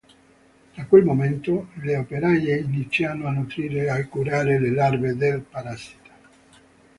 Da quel momento le operaie iniziano a nutrire e curare le larve del parassita.